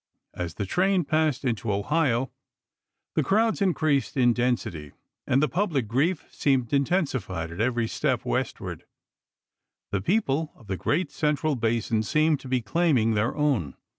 As the train passed into Ohio the crowds increased in density, and the public grief seemed intensified at every step westward; the people of the great central basin seemed to be claiming their own.